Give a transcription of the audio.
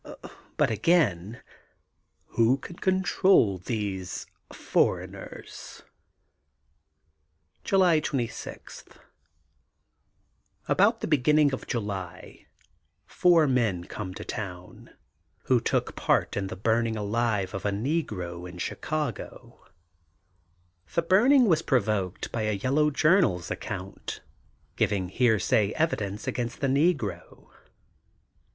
But again who can control these foreigners 1 ^' July 26: — About the beginning of July, four men come to town, who took part in THE GOLDEN BOOK OF SPRINGFIELD 298 the buming alive of a negro in Chicago. The burning was provoked by a yellow jour naPs account, giving hear say evidence against the negro.